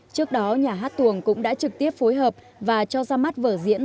trước đó nhà hát tuồng cũng đã trực tiếp phối hợp và cho ra mắt vở diễn